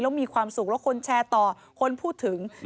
แล้วมีความสุขแล้วคนแชร์ต่อคนพูดถึง